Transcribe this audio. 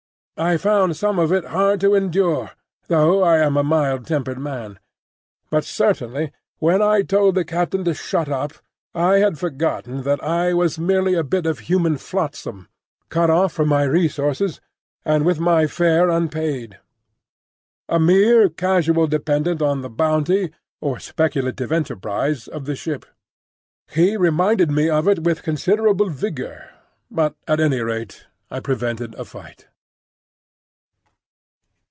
I found some of it hard to endure, though I am a mild tempered man; but, certainly, when I told the captain to "shut up" I had forgotten that I was merely a bit of human flotsam, cut off from my resources and with my fare unpaid; a mere casual dependant on the bounty, or speculative enterprise, of the ship. He reminded me of it with considerable vigour; but at any rate I prevented a fight.